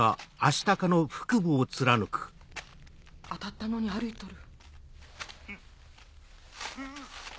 当たったのに歩いとる。